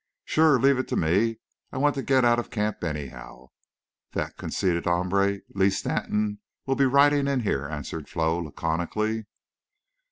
"Shore. Leave it to me. I want to get out of camp, anyhow. That conceited hombre, Lee Stanton, will be riding in here," answered Flo, laconically.